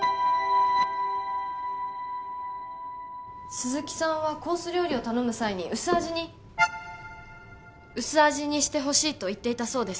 鈴木さんはコース料理を頼む際に薄味に薄味にしてほしいと言っていたそうです